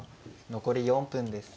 残り４分です。